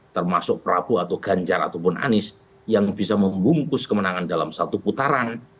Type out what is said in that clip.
termasuk prabu atau ganjar ataupun anies yang bisa membungkus kemenangan dalam satu putaran